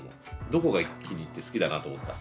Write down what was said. どこが気に入って好きだなと思った？